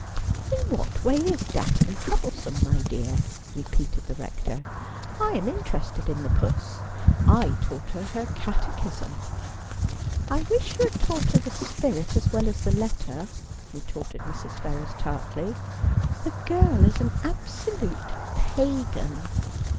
' In what way is Daphne troublesome, my dear ?' repeated the Rector. ' I am interested in the puss. I taught her her Cate chism.' ' I wish you had taught her the spirit as well as the letter, ' retorted Mrs. Ferrers tartly. ' The girl is an absolute pagan.